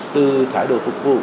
từ thái độ phục vụ